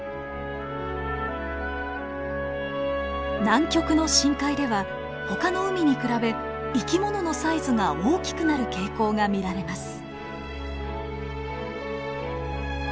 南極の深海ではほかの海に比べ生き物のサイズが大きくなる傾向が見られます。